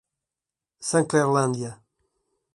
Sanclerlândia